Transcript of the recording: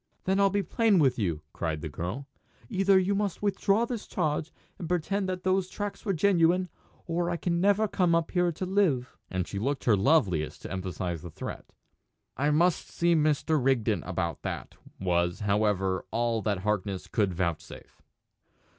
"Then I'll be plain with you," cried the girl. "Either you must withdraw this charge, and pretend that those tracks were genuine, or I can never come up here to live!" And she looked her loveliest to emphasise the threat. "I must see Mr. Rigden about that," was, however, all that Harkness would vouchsafe.